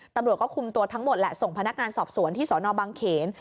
ตำรวจก็คุมตัวทั้งหมดแหละส่งพนักงานสอบสวนที่สนบางเขน